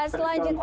sekarang atur itu